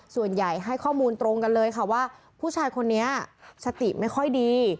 ส่วนใหญ่ให้ข้อมูลตรงกันเลยค่ะว่าผู้ชายคนนี้สติไม่ค่อยดี